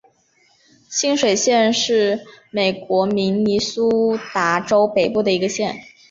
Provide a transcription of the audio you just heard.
清水县是美国明尼苏达州北部的一个县。